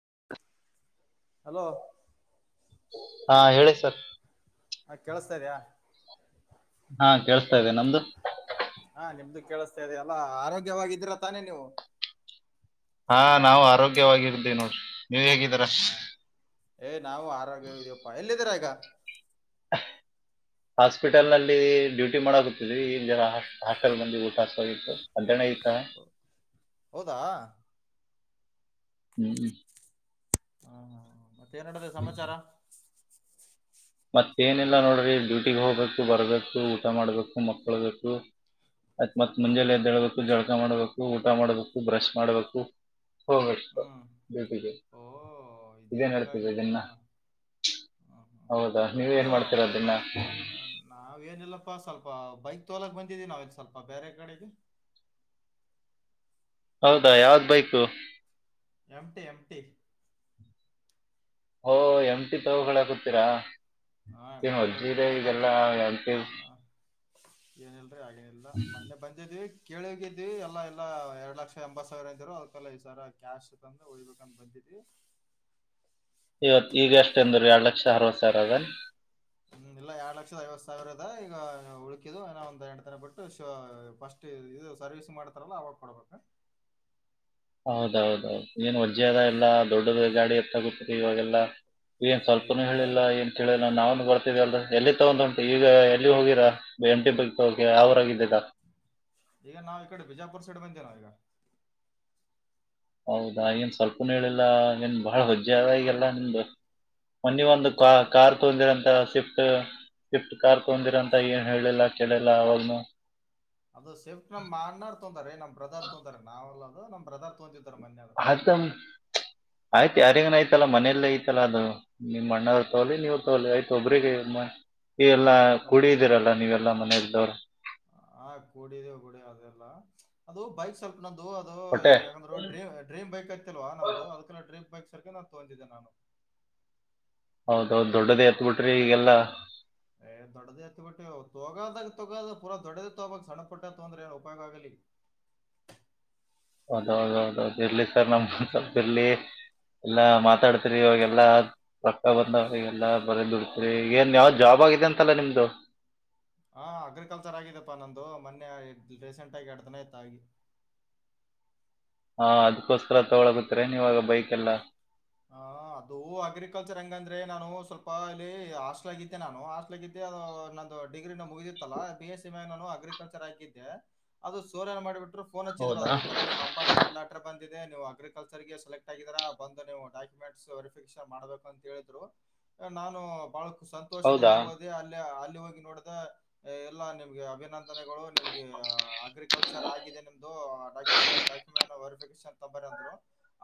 [inaudible] Hello ಹಾ ಹೇಳಿ sir ಹ ಕೇಳಸ್ತಾ ಇದ ಇದಯ. ಹಾ ಕೇಳ್ಸ್ತಾ ಇದ್ದೇ ನಮ್ದು. ಹಾ ನಿಮ್ದು ಕೇಳಿಸ್ತಾದೆ ಎಲ್ಲಾ ಆರೋಗ್ಯವಾಗಿದ್ದೀರ ತಾನೇ ನೀವು. ಹಾ ನಾವು ಆರೋಗ್ಯವಾಗಿರ್್ದೀವಿ ನೋಡ್ರಿ ನೀವ್ ಹೇಗಿದ್ದೀರ. ಹ ಏ ನಾವು ಆರೋಗ್ಯ ಇದ್ಯಪ್ಪಾ ಎಲ್ಲಿದೀರ ಈಗ. ಹಾಸ್ಪಿಟಲ್ ನಲ್ಲಿ ಡ್ಯೂಟಿ ಮಾಡಕತಿದ್ವಿ ಇಲ್ಲಿ ಜರ ಹಾಸ್ಟೆಲ್ ಮಂದಿ ಊಟ ಹತ್ತು ಅಧಹಣ ಇತ್ತು. ಹೌದಾ. ಹ್ಮ್್ಮ್. ಹಾ ಹಾ ಮತ್ತೆ ಏನ್ಡದ ಸಮಾಚಾರ. ಮತ್ತೇನಿಲ್ಲಾ ನೋಡ್ರಿ ಡ್ಯೂಟಿಗೆ ಹೋಗ್ಬೇಕು ಬರ್ಬೇಕು ಊಟ ಮಾಡ್ಬೇಕು ಮಕ್ಕಳ್ಬೇಕು. [inaudible] [unintelligible] ಅತ್ ಹಾ ಮುಂಜೆ ಹಾ ಎದ್ದೇಳ್ಬೇಕು ಜಳಕ ಮಾಡ್ಬೇಕು ಊಟ ಮಾಡ್ಬೇಕು ಬ್ರಶ್ ಮಾಡ್ಬೇಕು. ಹೋಗಷ್ಟ್ ಹ್ಮ್ ಬೇಟಿಗೆ. ಓ ಇದು ಹಿಂಗಾಗಿದ್ಯಾಾ ಹ. ಹೌದಾ ನೀವ್ ಏನ್ ಇದು ಮಾಡ್ತೀರಾ ದಿನ ನಾವೇಏನಿಲ್ಲಪ್ಪಾ ಸ್ವಲ್ಪ ಬೈಕ್. ತೋಲಕ್ ಬಂದಿದ್ದೀವಿ ನಾವಿ ಸ್ವಲ್ಪ ಬೇರೆ ಕಡೆಗೆ. ಹೌದಾ ಯಾವ್ ಬೈಕ್. ಅಮ್ಮಂಟಿ ಅಂಮಟಿ. ಓ ಎಮ್ಟಿ ತವುಗಳು ಹಾಕತೀರಾ. ಹಾ ನ್ ಎಮ್ಟಿ ಬೈಕ್ ಅಜ್ಜಿದೆ ಮೊನ್ನೆ ಇಗೆಲ್ಲಾ ಎಂತೀ. ಏನಲ್ರಿ ಆಗೇನಲ್ ಮೊನ್ನೆ ಬಂದಿದೀವಿ ಕೇಳೋಗಿದ್ವಿ ಎಲ್ಲಾ ಎಲ್ಲಾ ಎರಡ್ ಲಕ್ಷ ಎಂಬತ್ ಸಾವಿರ ಅಂತಿರು ಅದಕಲ್ಲ ಈ ಸರ ಕ್ಯಾಶ್ ತಂದ್ರ ಉಳಿಬೇಕಂದ ಬಂದಿತ್ತು. ಹ [inaudible] ಇವತ್ ಈಗ ಎಷ್ಟ ಎಂದ್ರ ಎರಡ್ ಲಕ್ಷ ಅರವತ್ ಸಾವಿರ ಅದ. ಹ್ಮ. ಇಲ್ಲ ಎರಡು ಲಕ್ಷದ ಐವತ್ತು ಸಾವಿರದ ಈಗ ಉಳಕಿದು ಒಂದ ಎರಡು ತರ ಬಿಟ್ಟ ಫಸ್ಟ್ ಇದು [unintelligible] ಸರ್ವಿಸ್ ಮಾಡ್ತಾರಲ್ಲ ಅವಾಗ ಕೊಡ್ಬೇಕ. ಹೌದೌದೌದು್ ಏನ್ ವಜ್ಜೆ ಅದ ಎಲ್ಲಾ ದೊಡ್ಡ ಗಾಡಿ ಎತ್ತ ಗತತಿ ಇವಾಗೆಲ್ಲ. ಏನ್ ಈಗ ಸ್ವಲ್ಪನುೂ ಏನಿಲ್ಲ ರೀ ಹೇಳಿಲ್ಲಾ ಏನ್ ಕೇಳೋ ನಾನು. ಎಲ್ಲಿ ತಗೊಂಡ್ ಉಂಟು ಈಗ ಎಲ್ಲಿ ಹೋಗಿರಾ ಎಂಟಿ ಬ ತಕ ಯಾವರಾಗಿದ್ದಿದ್ದ [unintelligible] ಈಗ ನಾವವು ಈ ಕಡೆ ಬಿಜಾಪುರ್ ಸೈಡ್ ಬಂದೇ ನಾವ ಈಗ. ಹೌದಾ ಏನ್ ಸ್ವಲ್ಪನ ಹೇಳಿಲ್ಲಾ ಏನ್ ಬಾಳ ಹೊಜ್ಜೆ ಆದಗೆಲ್ಲ ನಿಮ್ದು. ಮನಿ ಏ ಒಂದು ಕ ವಜ್ಜೇನಿಲ್ರಿ ಕಾರ್ ತಂದಿರಂತ ಸ್ವಿಫ್ಟ್ ಶಿಫ್ಟ್ ಕಾರ್ ತಂದಿರಂತ ಏನ್ ಹೇಳಿಲ್ಲ. ಕೆಲಲ್ಲ ಆವಾನ. ಅದು ಶಫ್ ನಮ್ಮ ಅ್ಣರ್ ತೊಂತಾರೆ ನಮ್ ಬ್ರದರ್ ತೊಂತಾರೆ ನಾವಲ್ಲ ಅದು ನಮ್ಮ್್ರದರ್ ತೊಿದ. ಅದ ಆಯ್ತು ಯಾರಿಗನ ಆಐ್ತಲ್ಲ ಮನೆಯಲ್ಲ ಐತಲ್ಲ ಅದು. ನಿಮ್ಮ್ ಅಣ್ಣ್ ತೋಲಿ ಹೌದು ನೀವು ತೋಲಿ ಆಯ್ತು ಒಬ್ಬ್ರಿಗೆ ಎಲ್ಲಾ ಕುಡಿದಿರಲ್ಲ ನೀವೆಲ್ಲಾ. ಮ್ದರ್ [inaudible] [unintelligible] ಹ ಕೂಡಿಿದೆ ಕೂಡಿ ಅದೆಲ್ಲ ಅದು ಬೈಕ್ ಸ್ವಲ್ಪ. ನಂದುು ಅದು ಹೊಟ್ಟೆ ಯಾಕಂದ್ರ ್ರೀ ಡ್ರೀ್ ಬೈಕ್ ಐತಿ ಅಲ್ವಾ ನಮ್ದು ಅದಕ್ಕೆಲ್ಲ ಡ್ರೀ್ ಬೈಕ್. ಸರ್ಗ ತಗಂದಿದ್ದೆ ನಾನು. ಹೌದ ದೊಡ್ಡದೇ ಎತ್ಬಿಟ್ರಿ ಈಗೆಲ್ಲಾ. ಹ್ಮ. ದೊಡ್ಡದೇ ಹತ್ ಬಿಿಟ್ಟ ತಗೋದಾಗ ತೊಗೋ ಪೂಾ ದೊಡದ ತಗಕ್ ಸಣ್ಣ ಪುಟ್ಟ ತೊಂದ್ರ ಏನ್ ಉಪಯೋಗ ಆಗಲಿ. ಹ. ಹೌದ ಹೌದ ಹೌದೌದು ಇರ್ಲಿ ಸರ್ ನಮ್ ಸ್ವಲ್ಪ ಹ್ಮ್ ಇರ್ಲಿ ಎಲ್ಲಾ ಮಾತಾಡ್ತ. ರಿಯಾಗೆಲ್ಲ. ರೊಕ್ಕ ಬಂದವ ಎಲ್ಲ ಬರ ದುಡತರಿ ಏನ್ ಯಾವ್ದ್ ಜಾಬ್ ಆಗಿದೆ ಅಂತಲ್ಲ ನಿಮ್ದು. ಹಾ ಅಗ್ರಿಕಲ್ಚರ್ ಆಗಿದಪ್ಪಾ ನಂದು ಮೊನ್ನೆ ರೀಸೆಂಟ್ ಆಗಿ ಎರಡ್ತನ ಇತ್ತ ಆಗಿ. ಹ [unintelligible] ಹಾ ಅದಕೋಸ್ಕರ ತಗೊಳಗುತ್ತ್ರ ನೀವಾಗ ಬೈಕ್ ಎಲ್ಲ ಹ ಅದು ಅಗ್ರಿಕಲ್ಚರ್ ಹಂಗಂದ್ರೆ ನಾನು ಸ್ವಲ್ಪ ಅಲ್ಲಿ ಹಾಸ್ಟ್ಲ್ ಆಗಿದ್ದೆ ನಾನು ಹಾಸ್ಟ್ಲ್ ಆಗಿದ್ದೆ ನಂದು ಡಿಗ್ರಿ ಮುಗತ್ತಾ ಬಿ ನಾನು ಅಗ್ರಿಕಲ್ಚರ್ ಹಾಕಿದ್ದೆ ಅದು ಸೋರ ಮಾಡಿಬಟ್ಟು ಫೋನ್ ಹಚ್ಚಿದ್ರು ಹೌದಾ ಅದು ಈ ತರ ನಿಮ್ ಅಪಾರ್ಟ್ಮೆಂಟ್ ಯಾಟರ್ ಬಂದಿದೆ ನೀವು ಅಗ್ರಿಕಲ್ಚರ್ಗೆ ಸೆಲೆಕ್ಟ್ ಆಗಿದರಾ ಬಂದು ನೀವು ಡಾಕ್ಯುಮೆಂಟ್ ವೆರಿಫಿಕೇಶನ್ ಮಾಡ್ಬೇಕು ಅಂತ ಹೇಳಿದ್ರು ನಾನು ಬಹಳ ಸಂತೋಷದಿಂದ ಹೌದಾ ಹಓದೆ ಅಲ್ಲಿ ಅಲ್ಲಿ ಹೋಗಿ ನೋಡಿದ ಎಲ್ಲಾ ನಿಮ್ಗೆ ಅಭಿನಂದನೆಗಳು ನಿಮ್ಗೆ ಅಗ್ರಿಕಲ್ಚರ್ ಆಗಿದೆ ನಿಮ್ದುಕ ಾಕ್ಯುಮ ವೆರಿಫಿಕೇಶನ್ ತಂಬ ಅಂದ್ರು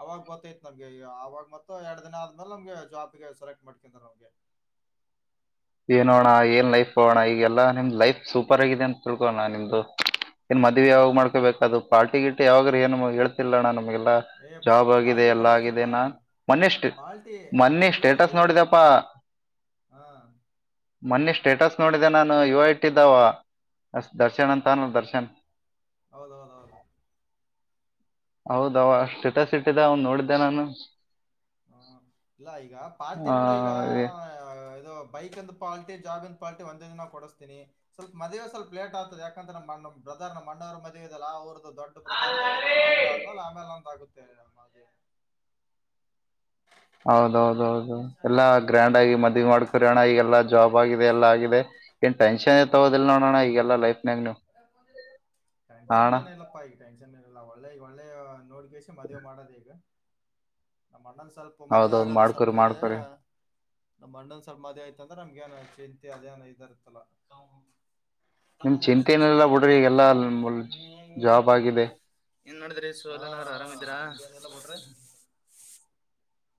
ಅವಾಗ ಗೊತ್ತೈತ್ ನಮ್ಗೆ ಅವಾಗ ಮತ್ತ ಎರಡ್ ದಿನ ಆದ್ಮೇಲೆ ನಮ್ಗೆ ಜಾಬ್ಗೆ ಸೆಲೆಕ್ಟ್ ಮಾಡ್ಕ್ರ ನಮ್ಗೆ ನೋಣ ಏನ್ ಲೈಫ್ ಹೋಗೋಣ ಈಗೆಲ್ಲಾ ನಿಮ್ದ್ ಲೈಫ್ ಸೂಪರ್ ಆಗಿದೆ ಅಂತ ತಿಳ್ಕೋಣ ನಿಮ್ದು ಏನ್ ಮದ್ವಿ ಏ ಯಾವಾಗ ಹಂಗ್- ಮಾಡ್ಕೊಬೇಕ ಅದು ಪಾರ್ಟಿ ಗಿಟ್ಟ ಯಾವಾಗ್ ಏನು ಹೇಳ್ತಿಲ್ಲ ನಾನ ಲ್ಲ ಏ ಜಾಬ್ ಆಗಿದೆ ಪಾಲ್ಟಿ ಎಲ್ಲ ಕೊಡಿಸ್ತೀಪ ಆಗಿದೆ ನಾನ್ ಮೊನ್ನಿ್ಟ ಪಾಲ್ಟಿ ಮೊನ್ನಿ ಇಲ್ಲ ಇಲ್ಲ ಸ್ಟೇಟಸ್ ಇದು ನೋಡಿದಪ್ಪ ಹ ಹಾ ಮೊನ್ನಿ ಸ್ಟೇಟಸ್ ನೋಡಿದೆೆ ನಾನು ಯ ಐಟ ಇದ್ದಾವ ಅ ದರ್ಶನ್ ಅಂತ ಅಾನ ದರ್ಶನ್ ಹೌದೌದ ಹೌದು ಹೌದ ಅವ ಸಿಟಸ್ ಇಟ್ಟಿದ ಅವನ್ ನೋಡಿದ್ದೆ ನಾನು ಹ ಇಲ್ಲ ಈಗ ಪಾರತಿ ಆ, ನೋಡು ಈಗ ಏ- ದು ಬೈಕ್ಂದ ಪಾಲ್ಿ ಜಾಬಂದ ಪಾಲ್ಟಿ ಒಂದ ನಾ ಕೊಡಿಸ್ತಿನಿ ಸ್ವಲ್ ಮದೇ ಸ್ವಲ್ಪ ಲೇಟ್ ಆಗ್ತದೆ ಯಾಕಂದ್ರೆ ಪ್ರ್ರದರ್ ನಮ್ಮ ಮಣಾರ ಮಧ್ಯದಲ್ಲಿಲ್ಲ ಆ ಅವ ದೊಡ್ಡ ಪ್ರದರ್ದವ್ರು ಅವ್ರಾದ್ಮೇಲೆ ಆಮೇಲೆ ಒಂತ ಆಗುತ್ತೆ ನೆ ಹೌದೌದೌದು ಎಲ್ಲಾ ಗ್ರ್ಯಾಂಡ್ ಆಗಿ ಹಾ ಮದ್ಿಗೆ ಮಾಡ್ಕೊರಿೋಣ ಈಗ ಎಲ್ಲಾ ಜಾಬ್ ಆಗಿದೆ ಎಲ್ಲ ಆಗಿದೆ ಏನ್ ಟೆನ್ ತಗೋದಿಲ್ಲ ನೋಡೋಣ ಈಗೆಲ್ಲಾ ಲೈಫ್ ನಾಗ ನೀವು ದ ಹಾ ಟೆನ್ಷನ್ ಅಣ್ಣ ಏನ ಇಲ್ಲಪ್ಪಾ ಈಗ ಟೆನ್ಷನ್ ಏ ಇಲ್ಲ ಒಳ್ಳೆಗ ಒಳ್ಳೆ ನೋಡ್ಗಷ್ಟ ಮದ್ೆ ಮಾಡೋದ ಈಗ ನಮ್ಮ ಅಣ್ಣನ್ ಸ್ವಲ್ಪ ಮದ್ುವೆ ಹೌದೌದು ಆಗದು ಸ್ವಲ್ಪ ಮಾಡ್ಕೊರಿ ಇದೆ ಮಾಡ್ಕೊರಿ ನಮ್ ಅಣ್ಣೊಂದ್ ಸ್ವಲ್ಪ ಮದೆ ಆಯತ ಅಂದ್ರೆ ನಮ್ಗೇಏನ ಚಿಂತ ಅದೇಏ ಇದ ಇತ್ತಲ್ಲ ತಮ ನಿಮ್ ಚಿಂತೆ ಮಸಮ ಏನಿಲ್ಲ ಬಿಡ್ರಿ ಎಲ್ಲ ಜಾಬ್ ಆಗಿದೆ ಏನ್ ನೋಡಿದ್ರಿ ಸೋಲ ಆರಾಮ್ಿದಿರಾ ್ರ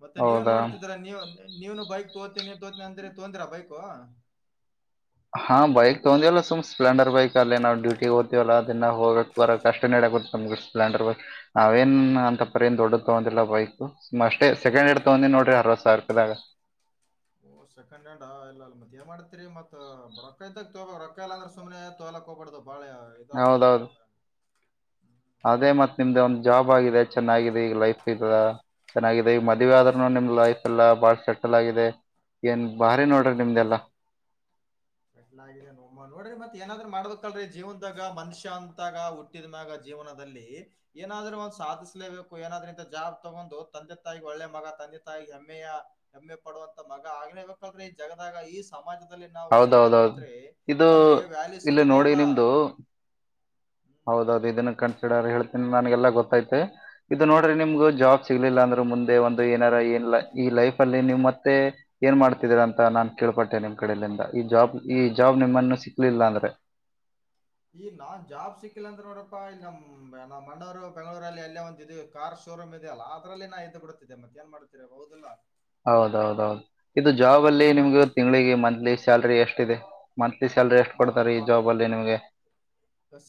ಮತ್ತೆ ನೀವೇನ್ ಹೌದಾ ಮಾಡ್ತಿದೀರಾ ನೀವ ನೀವನು ಬೈಕ್ ತೋತೀನಿ ತೋತಿನನಿ ಅಂದ್ರೆ ತೊಂದ್ರ ಬೈಕ್ ಹಾ ಬೈಕ್ ತಗೊಂಡ್ವಲ್ಲ ಸು್ ಸ್ಪ್ಲೆಂಡರ್ ಬೈಕ್ ಅಲ್ಲಿ ನಾವು ಡ್ಯೂಟಿ ಓ್ತಿವಲ್ಲದನ್ನ ಹೋಗಬೇಕಕ್ ಬರ ಅಷ್ಟ ನಡ ಸ್ಲೆಂಡರ್ ನಾವೇನ್ ಅಂತಪ್ಪ ನ್ ದೊಡ್ಡ ತಗಂದಿಲ್ಲ ಬೈಕ್ ಅಷ್ಟೇ ಸೆಕಂಡ್ ತಂದ ನೋ್ರರಿ ಅರವ ಸಾವಿರ ರೂಪಿಿದಾಗ ಹ ಓ ಸೆಕೆ್್ಯಾಂಡ್ ಇಲ್ಲ ಅ ಮತ್ ಏ ಮಾಡ್ತತಿರಿ ಮತ್ ರೊಕ್ಕ ಐತ ತ ರೊಕ್ಕ ಇಲ್ಲ ಅ್ರ ಸುಮ್ನೆ ತೋ ಎಲ ಹೋಗಬಡ್ದ ಬಾಳೆ ಇದಾಗ್ತದ ಹೌದೌದು ಹೋದ ಅದೇ ಮತ್ತತ್ ನಿಮ್ದೆ ಒಂದ್ ಜಾಬ್ ಆಗಿದೆ ಚೆನ್ನಾಗಿದೆ ಈಗ ಲೈಫ್ ಇದದ ಚೆನ್ನಾಗಿದೆ ಈಗ ಮದ್ೆ ಆದ್ರೂ ನಿಮ್ದ್ ಲೈಫ್ ಎಲ್ಲಾ ಬಾಳ ಸೆಟಲ್ ಆಗಿದೆ ಏನ್ ಭಾರಿ ನೋಡ್ರಿ ನಿಮ್ದೆಲ್ಲಾ ್ ಕಲ ನೋಡ್ರಿ ಮತ್ ಏನಾದ್ರ ಮಾಡದಕ್ಲ್ರೀ ಜೀವನದಾಗ ಮನುಷ್ಯ ಅಂತಾಗ ಹುಟ್ಟಿದ್ಯಾಗ ಜೀವನದಲ್ಲಿ ಏನಾದ್ರೂ ಒ್ ಸಾಧಿಸಲೇಬೇಕು ಏನಾದ್ರೂಂತ ಜಾಬ್ ತಗೊಂಡು ತಂದೆ ತಾಯಿ ಒಳ್ಳೆ ಮಗ ತಿ ತಾಯ ಹೆಮ್ಮೆಯ ಹೆಮ್ಮೆ ಪಡುವಂತ ಮಗ ಆಗ್ಲೇಬೇಕಲ್್ರೆ ಈ ಜಗದಾಗ ಈ ಸಮಾಜದಲ್ಲಿ ನಾವು ಸುಮ್ನೆ ಹೌದೌದ್ೌದು್ ಕುಂತ್ರೆ ಇದು ನಮ್ಗೆ ವ್ಯಾಲ್ಯೂ ಇಲ್ಲಿ ಸಿಗೋದೇ ನೋಡಿ ಇಲ್ಲ ನಿಮ್ದು ಹೌದೌದು ಇದನ್ನ ಕನ್ಸಿಡರ್ ಹೇಳ್ತೀನಿ ನನ್ಗೆಲ್ಲಾ ಗೊತ್ತೈತೆ ಇದು ನೋಡ್ರಿ ನಿಮ್ಗ ಹ್ಮ್ ಜಾಬ್ ಸಿಗ್ಲಿಲ್ಲ ಅಂದ್ರೆ ಮುಂದೆ ಏನಾರ ಏನ್ ಈ ಲೈಫ್ ಅಲ್ಲಿ ನಿಮ್ ಮತ್ತೆ ಏನ್ ಮಾಡ್ತಿದರ ಅಂತ ನಾನ್ ಕೇಳ್ಪಟ್ಟೆನೆ ನಿಮ್ ಕಡಿಂದ ಈ ಜಾಬ್ ಈ ಜಾಬ್ ನಿಮ್ಮನ್ನು ಸಿಕ್ಲಿಲ್ಲ ಅಂದ್ರೆ ಹ ಈ ನಾನ್ ಜಾಬ್ ಸಿಕ್ಕಿಲ್ಲ ಅಂದ್ರ ನೋಡಪ್ಪಾ ಇಲ್ಲಿ ನಮ್ಮ್ ನಮ್ಮ ಮಣ್ಣೂರು ಬೆಂಗಳೂರಲ್ಲಿ ಅಲ್ಲೇ ಒಂದ ಕಾರ್ ಶೋರೂ್ ಇದೆ ಅಲ್ಲ ಅದಲ್ಲಿ ನಾ ಇದ್ದ ಬಿಡುತ್ತೆ ಮತ್ತೆ ನ್ ಮಾಡ್ರ ಹೌದಿಲ್ಲ ಹೌದೌದೌದು ಇದು ಹಾ ಜಾಬ್ ಅಲ್ಲೇ ಅಲ್ಲಿ ನಮ್ಮ ಅಣ್ಣ- ನಿಮ್ಗೆ ತಿಂಗಳಿಗೆ ಮಂತ್ಲಿ ಸ್ಯಲ್ರಿ ಎಷ್ಟಿದೆ ಮತ್ ಮ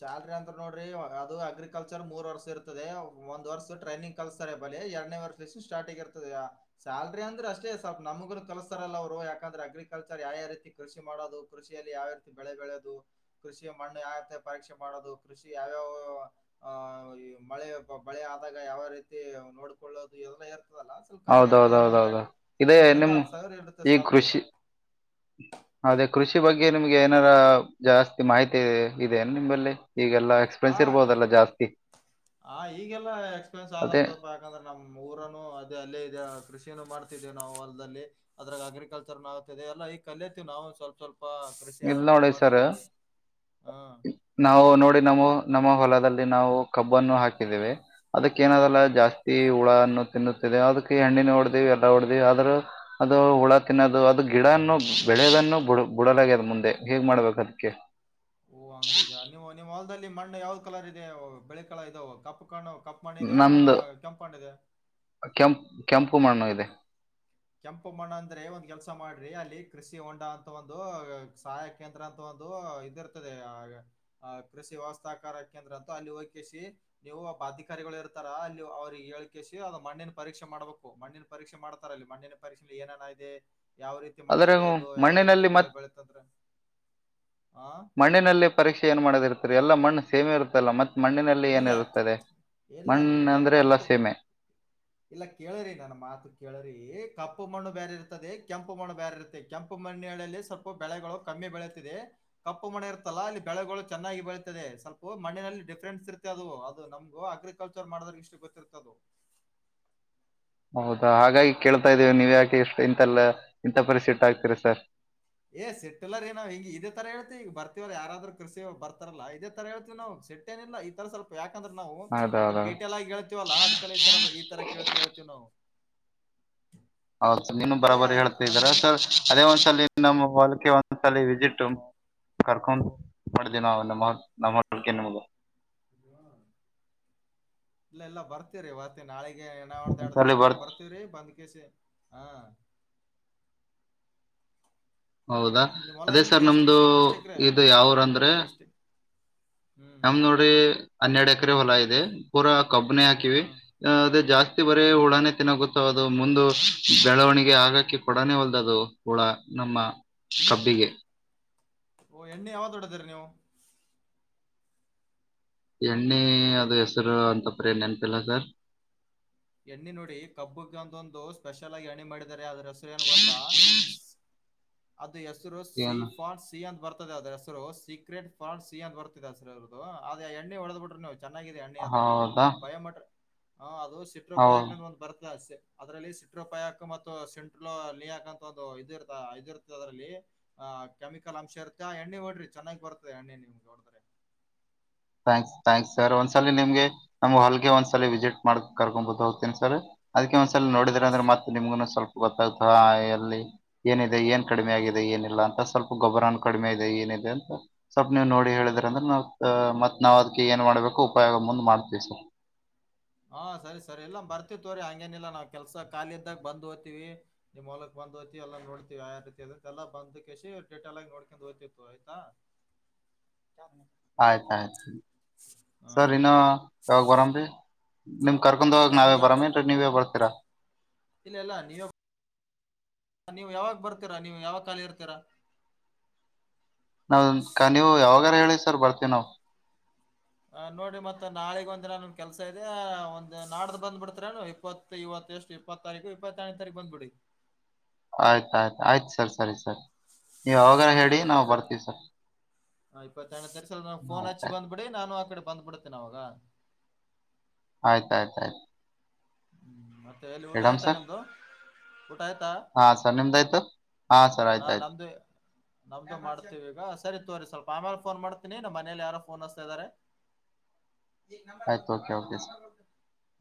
ಸ್ಯಾಲ್ರಿ ಅಂದ ನೋಡ್ರಿ ಅದು ಅಗ್ರಿಕಲ್ರ್ ಮೂರ್ ವರ್ಷ ಇರ್ತದೆ ಒಂದ್ ವರ್ಷ ಟ್ರೈನಿಂಗ್ ಕಲ್ಸ್ತಾರೆ ಬಳಿ ಎರಡನೇ ವರ್ಷ ಸ್ಟಾರ್ಟ್ ಇರ್ದೆ ಸ್ಯಾಲ್ರಿ ಅಂದ್ರೆ ಅಷ್ಟೇ ಸ್ವಲ್ಪ ನಮಗೂ ಕಿಸಸ್ತಾರಲ್ಲ ಅವರು ಯಾಕಂದ್ರೆ ಅಗ್ರಿಕಲ್ಚರ್ ಯಾವ್ಯಾವ ರೀತಿ ಕೃಷಿ ಮಾಡೋದು ಕೃಷಿಯಲ್ಲಿ ಯಾವೀತಿ ಬೆಳೆ ಬೆಳೆದು ಕೃಷಿಯ ಮಣ್ಣು ಯಾವತ್ತ ಪರೀಕ್ಷೆ ಮಾಡೋದು ಕೃಷಿ ಯಾವ್ಯಾವ ಆ ಮಳೆ ಬಳೆ ಆದಾಗ ಯಾವ ರೀತಿ ನೋಡ್ಕೊಳ್ಳೋದು ಇಲ್ಲ ಸ್ವಲ್ಪ ಕಮ್ಮಿ ಇರ್ತ ಏನೋ ಒಂದ್ ಎಂ ಹೌದೌದೌದೌದು ಇದೇ ಎಂಟರಿಂದ ನಿಮ್ ಹತ್ತು ಸಾವಿರ ಇಡುತ್ತೆ ಈ ಸಲ್ರಿ ಕೃಷಿ ಅದೇ ಕೃಷಿ ಬಗ್ಗೆ ನಿಮ್ಗೆ ಏನಾರ ಜಾಸ್ತಿ ಮಾಹಿತಿ ಇದೆನೆ ನಿಂಬಲ್ಲಿ ಎಕ್ಸ್ಪೆನ್ಸ್ ಇರ್ಬೋದಲ್ಲ ಜಾಸ್ತಿ ಹ ಈಗೆಲ್ಲಾ ಎಕ್ಸ್ಪೆನ್ಸ್ ಅದೇ ಆಗ್ತ್ತಪ್ಪ ಯಾಕಂದ್ರೆ ನಮ್ ಊರನು ಅದೇ ಅಲ್ಲೇ ಇದೆ ಕೃಷಿಿನನು ಮಾಡ್ತಿದ್ದೇವಿ ನಾವು ಹೊಲ್ದಲ್ಲಿ ಅದ್ರಾಗ ಅಗ್ರಿಕಲ್ಚರ್ನು ಆಗ್ತದೆ ಎಲ್ಲ ಈ ಕಲತೀವಿ ನಾವು ಸ್ವಲ್ಪ ಸ್ವಲ್ಪ ಕೃಷಿ ಯಾವ ಇಲ್ ರೀತಿ ನೋಡಿ ಸರ್ ಮಾಡೋದು ಹಾ ನಾವು ನೋಡಿ ನಮ್ಮ ನಮ್ಮ ಹೊಲದಲ್ಲಿ ನಾವು ಕಬ್ಬನ್ನು ಹಾಕಿದ್ದೇವೆ ಅದಕ್ಕ ಹಾ ಏನಾದಲ್ಲ ಜಾಸ್ತಿ ಹುಳನ್ನು ತಿನ್ನುತ್ತಿದೆ ಅದಕ್ಕೆ ಹೆಣ್ಣಿನ ಹೊಡ್ದವಿ ಎಲ್ಲ ಹೊಡ್ದವಿ ಆದ್ರೂ ಅದು ಹುಳ ತಿನ್ನದು ಅದು ಗಿಡನು ಬೆಳೆದನ್ನು ಬಿ ಬಿಡಲಾಗಿ ಅದ ಮುಂದೆ ಹೇಗ್ ಮಾಡ್ಬೇಕು ಅದ್ಕ್ಕೆ ಓ ಹಂಗಿದ ನೀವು ನಿವು ಹೊಲ್ದಲ್ಲಿ ಮಣ್ಣು ಯಾವ್ದ್ ಕಲರ್ ಇದೆ ಬೆಳೆ ಕಾಲ ಇದಾವ ಕಪ್ಪ ಕೊಂಡು ಕಪ್ಪ ಮಾಡಣಿದೆಯ ನ ನಮ್ದು ಕೆಂಪಣಿದೆ ಕೆಂಪ್ ಕೆಂಪು ಮಾಡಣ್ಣ ಇದೆ ಕೆಂಪ ಮಣ್ಣ ಅಂದ್ರೆ ಒಂದ್ ಕೆಲ್ಸ ಮಾಡ್ರಿ ಅಲ್ಲಿ ಕೃಷಿ ಹೊಂಡಾ ಅಂತ ಒಂದು ಸಹಾಯ ಕೇಂದ್ರ ಅಂತ ಒ ಇದಿ ಇರ್ತದೆ ಕೃಷಿ ವ್ಯವಸ್ಥಾಕಾರ ಕೇಂದ್ರ ಅಂತ ಅಲ್ಲಿ ಹಕಿಸಿ ನೀವು ಪ ಅಧಿಕಾರಿಗಳು ಇರ್ತ ಅಲ್ಲಿ ಅವ್ರಿಗೆ ಹೇಳ್ ಕಸಿ ಅದು ಮಣ್ಣಿನ ಪರೀಕ್ಷೆ ಮಾಡ್ಬೇಕು ಮಣ್ಣಿನ ಪರೀಕ್ಷೆ ಮಾಡ್ತಾರ ಅಲ್ಲಿ ಮಣ್ಣಿನ ಪರಿಶೀಲ ಏನನ ಇದೆ ಯಾವ ರೀತಿ ಮಣ್ಣ ಆದ್ರೆ ಇಿದೆ ಅದು ಯಾವ ರೀತಿ ಬೆಳೆ ಬೆಳತ್ತದ್ರೆ ಮಣ್ಣಿನಲ್ಲೇ ಪರೀಕ್ಷೆ ಏನ್ ಮಾಡೋದ ಇರ್ತರಿ ಎಲ್ಲ ಮಣ್ಣು ಸೇಮೆ ಇರುತಲ್ಲ ಮತ್ತೆ ಮಣ್ಣಿನಲ್ಲಿ ಇಲ್ಲ ಏನಿರುತ್ತದೆ ಇಲ್ಲ ರೀ ಮಣ್ಣ ಅಂದ್ರೆ ಎಲ್ಲ ಕಪ್ಪು ಸೀಮೆ ಇಲ್ಲ ಕೇಳ್ರಿ ನನ್ ಮಾತು ಕೇಳ್ರಿ ಕಪ್ಪು ಮಣ್ಣು ಬೇರೆ ಕೆಂಪು ಮಣ ಬೇರೆ ಇರುತ್ತೆ ಕೆಂಪು ಮನೆಯಲ್ಲಿ ಸ್ವಲ್ಪ ಬೆಳೆಗಳು ಕಮ್ಮಿ ಬೆಳೆಯುತ್ತಿದೆ ಕಪ್ಪು ಮಣ ಇರುತ್ತದೆ ಲ ಅಲ್ಲಿ ಬೆಳೆಗಳು ಚೆನ್ನಾಗಿ ಬೆಳೀತದೆ ಸ್ವಲ್ಪ ಮನಲ್ಲಿ ಡ ಇರ್ತ ಅದು ಅದು ನಮ್ಗು ಅಗ್ರಿಕಲ್ಚರ್ ಮಾಡಿದ್ರ ಇಷ್ಟು ಗೊತ್ತಿರ್ತದು ಹೌದಾ ಹಾಗಾಗಿ ಕೇಳ್ತಾ ಇದೀವಿ ನೀವ್ ಯಾಕೆ ಎಷ್ಟು ಇಥಲ್ಲ ಇಂಥ ಪರಿಸ್ಟ್ಟ ಆಗ್ತೀರಿ ಸರ್ ಏ ಸಿಟ್ಟಿಲ್ಲರಿ ನಾವ್ ಹಿಂಗ ಇದೇ ತರ ಹೇಳ್ತಿ ಈಗ ಬರ್ತಿವಲ್ಲ ಯಾರಾದ್ರರು ಕೃಷಿ ಬರ್ತಾರಲ್ಲ ಇದೇ ತರ ಹೇಳ್ತಿವಿ ನಾವವು ಸಟ್ಟ ಏನಿಲ್ಲಲ್ಲ ಈ ತರ ಸ್ವಲ್ಪ ಯಕೆ ಯಾಕಂದ್ರೆ ನಾವು ಸ್ವಲ್ ಹೌದೌದೌದು ಡೀಟೇಲ್ ಆಗಿ ಹೇಳ್ತಿವಲ್ಲ ಅದ್ ಕಲ್ಲ ಈ ಸರ ಈ ತರ ಕೇಳ್ತಿವಿ ಹೇಳ್ತೀವಿ ನಾವು ಹೌ ಸ ನೀನು ಅದೇ ಬರಾಬರಿ ಅ- ಅದು ಹೇಳ್ತಿದರ ಸರ್ ಅದೇ ಒಂದ್ಸಲ ನಮ್ಮ ಹಲಕ್ಕೆೆ ಒಂದ್ ಸಲ ವಿಸಿಟ್ ಕರ್ಕೊಂಡ್ ಮಾಡಿದ್ದೇ ನಾವು ನಮ್ಮ ನಮ್ಮಕ್ಕೆ ನಿಮಗ ಇಲ್ಲ ಎಲ್ಲ ಬರ್ತೀರಿವತ್ತೆ ನಾಳೆ ನಾವ ಒಂದ್ ಎರಡ್ ದಿನ ಒಂದ್ಸಲಿ ಬಿಟ್ಟು ಬರ್ತ ಬರ್ತೀವ್ರೀ ಬಂದ್ ಕಿ ಹಾ ಹೌದಾ ನಿಮ್ ಹೊಲ ಅದೇ ಎಲ್ಲಿದೆ ಸರ್ ಎಷ್ಟ್ ನಮ್ದು ಎಷ್ಟ್ ಎಕ್ರೆ ಇದು ಯಾವ್ರ ಅಂದ್ರೆ ಎಷ್ಟ್ ಹ್ಮ್ ನಮ್ದ್ ನೋಡ್ರಿ ಹನ್ನೆರಡ್ ಎಕರೆ ಹೊಲಾ ಇದೆ ಪೂರಾ ಕಬ್ಬನನೆ ಹಾಕಿವಿ ಹಾ ಅದೇ ಜಾಸ್ತಿ ಹಾ ಬರೇ ಉಳಾನೆ ತಿನ್ನೊತ್ತೆ ಅದು ಮುಂದು ಬೆಳವಣಿಗೆ ಆಗಕಿ ಕೊಡಾನೇ ಹೊಲ್ದ ಅದು ಕೂಳ ನಮ್ಮ ಕಬ್ಬಿಗೆ ಓ ಎ್ಣ ಯಾವತ್ತೋಡ ತರ್ ನೀವು ಎಣ್ಣೆ ಅದು ಹೆಸರು ಅಂತಪ್ರ ಏನ್ಪಿಲ್ಲ ಸರ್ ಎಣ್ಣೆ ನೋಡಿ ಕಬ್ಬುಗೆ ಒಂದೊಂದು ಸ್ಪೆಷಲ್ ಆಗಿ ಎಣ್ಣಿ ಮಾಡಿದಿದ್ದಾರೆ ಅದ್ರ ಹೆಸರು ಏನ್ ಗೊತ್ತಾ ಅದು ಹೆಸರು ಸಿ ಏನು ಫಾನ್ ಸಿ ಅಂತ ಬರ್ತದೆ ಅದ್ರ ಸೀಕ್ರೆಟ್ ಫಾ ಸಿ ಅಂತ ಬರ್ತಿದೆ ಸರ್ ಇದದು ಅದು ಎಣ್ಣೆ ಹೊಡೆದ್ ಬಿಿ್ರ ಚೆನ್ನಾಗಿದೆ ಅಣ್ಣಿ ಅದು ಹೌದಾ ಬಯೋಮೆಟ್ರಿ ಹ ಅದು ಸಿಟ್ರೋ ಪ್ಯಾಕ್ ಹೌದು ಒಂದು ಬರ್ತ ಅದ್ರಲ್ಲಿ ಸಿಟ್ರೋ ಪಯಾಕ್ ಮತ್ತು ಸಿೆಂಟ್ರೋ ಲಿಯಾಕ್ ಅಂತ ಒಂದು ಇದ ಇರ್ತ ಇದ ಇರ್ತದೆ ಅದ್ರಲ್ಲಿ ಆ ಕೆಮಿಕಲ್ ಅಂಶ ಇರುತ್ತೆ ಎಣ್ಣೆ ಹೊೋಡ್ರಿ ಚೆನ್ನಾಗಿ್ ಬರ್ತದೆ ಎಣ್ಣೆ ನಿಮ್ಗೆ ಹೊೋಡದ್ರೆ ಥಾಂಕ್ಸ್ ಥಂಕ್ಸ್ ಸರ್ ಒಂದ್ಸಲಿ ನಿಮಗೆ ನಮ್ ಹಲ್ಗೆ ಒಂದ್ಸಲ ವಿಸಿಟ್ ಮಾಡಕ್ ಕರ್ಕೊಂಡ್ ಬದು ಹೋಗ್ತೀನಿ ಸರ್ ಅದಕ್ಕೆ ಒಂದ್ಸ ಆ, ನೋಿದ್ರ ಸ್- ಅ್ರೆತ್ತೆ ನಿಮಗು ಸ್ವಪ ಗೊತ್ತಾಗ್ತ ಹಾ ಎಲ್ಲಿ ಏನಿದೆ ಏನ್ ಕಡಿಮೆ ಆಗಿದೆ ಏನಿಲ್ಲ ಅಂತ ಸ್ವಲ್ಪ ಗೊಬ್ರನ ಕಡಿಮೆ ಇದೆ ಏನ ಸ್ವಪ ನೀವ್ ನೋಡಿ ಹೇಳಿದ್ರ ಅಂದ್ರೆ ನಾವು ಮತ್ತೆ ನಾವ್ ಅದಕ್ಕೆ ಏನ್ ಮಾಡ್ಬೇಕು ಉಪಯೋಗ ಮುಂದ್ ಮಾಡ್ತೀವಿ ಸ ಹಾ ಸರಿ ಸರಿ ಇಲ್ಲಾ ಬರ್ತ ತೋರಿ ಹಂಗೇನಿಲ್ಲಾ ನಾವ್ ಕೆಲ್ಸ ಖಾಲಿ ಇದ್ದಾಗ ಬಂದ್ ಓ್ತಿವಿ ನಿಮ್ ಹೊಲಕ್ ್ ್ತಿ ಎಲ್ಲ ನೋಡ್ತತಿವಿ ಯ ರೀತಿ ಅದಂತೆ ಎಲ್ಲ ಬಂದ ಕಿ ಡಟ್ ಎಲ್ಲ ನೋಡ್ಕೊಂಡು ಓ್ತಿತ್ತು ಆಯ್ತಾ ಹ ಆಯ್ತ ಆಯ್ತು ಸರ್ ಇನ್ನ ಯಾವಾಗ ಬರಂಿ ನಿಮ್ ಕರ್ಕೊಂಡ್ ಈಗ ಹೋಗಾಗ ನಾವೇ ನೀವು ಯಾ- ಬರಾಮೇನ್ೀ ನೀವೇ ಬರ್ತೀರಾ ಇಲ್ಲ ಇಲ್ಲ ನೀಯ ನೀವ್ ಯಾವಾಗ ಬರ್ತೀರಾ ನೀವು ಯಾವಾಗ ಖಾಲಿ ಇರ್ತೀರಾ ನಾವ ನೀವು ಯಾವಾಗಾರ ಹೇಳಿದಿ ಸರ್ ಬರ್ತೀವಿ ನಾವವು ನೋಡಿ ಮತ್ತತ್ ನಾಳೆ ಒಂದಿನಾನೊಂದ್ ಕೆಲ್ಸ ಇದೆ ಒಂದ್ ನಾಡ್ದು ಬಂದ್ಬಿಡ್ತ್ರನು ಇಪ್ಪತ್ತು ಇವತ್ತು ಎಷ್ಟು ಇಪ್ಪತ್ ತಾರೀಕು ಇಪ್ಪತ್ತೈನೇ ತಾರೀಕು ಬಂದ್ ಬಿಿಡಿ ಆಯ್ತಾಯ್ತು ಆಯ್ತು ಸರ್ ಸರಿ ಸರಿ ನೀವು ಅವಾಗ ಹೇಳಿ ನಾವು ಬರ್ತೀವಿ ಸರ್ ಇಪ್ಪತ್ತತ್ ತಸ ನ ಫೋನ್ ಹಚ್ಚಿ ಆಯ್ತಾಯ್ತು ಬಂದ್ಬಿಡಿ ನಾನು ಆ ಕಡೆ ಬಂದ್ಬಿಡತೇನ ಅವಾಗ ಆಯ್ತ ಆಯ್ತ ಆಯ್ತು ಹ್ಮ್ ಮತ್ತೆ ಎಲ್ಲಿ ಊಟ ಆಯ್ತಾ ನಿಮ್ದು ಊಟ ಆಯ್ತಾ ಹಾ ಸರ್ ನಿಮ್ದಾಯ್ತು ಹಾ ಸರ್ ಆಯ್ತ ಆಯ್ತು ನಮ್ದು ಮಾಡ್ತೀವಿ ಈಗ ಸರಿ ತೋರಿ ಸ್ವಲ್ಪ ಆಮೇಲೆ ಫೋನ್ ಮಾಡ್ತೀನಿ ನ ಮನೇಲಿ ಯಾರೋ ಫೋನ್ ಹಸ್ತ ಇದ್ದಾರೆ ನಂಬರ್ ಆಯ್ತು ಬತ okay WhatsApp okay sir number ಬತ